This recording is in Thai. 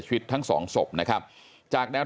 จังหวัดสุราชธานี